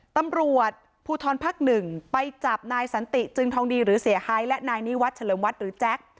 ตำรวจภูทรภักดิ์๑ไปจับนายสันติจึงทองดีหรือเสียหายและนายนิวัตรเฉลิมวัดหรือแจ็ค